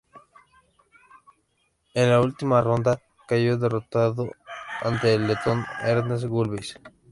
En la última ronda, cayó derrotado ante el letón Ernests Gulbis.